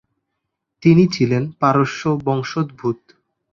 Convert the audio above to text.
তিনি ছিলেন পারস্য বংশোদ্ভূত।